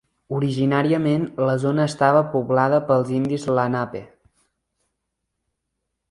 Originàriament, la zona estava poblada pels indis lenape.